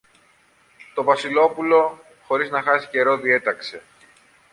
Το Βασιλόπουλο, χωρίς να χάσει καιρό, διέταξε